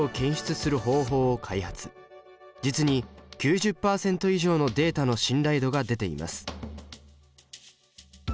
実に９０％以上のデータの信頼度が出ています。